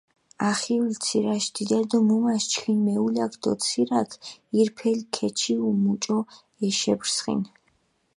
ახიოლ ცირაშ დიდა დო მუმას ჩქინ მეულაქ დო ცირაქ ირფელი ქეჩიუ მუჭო ეშეფრსხინ.